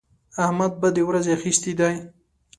احمد بدې ورځې اخيستی دی.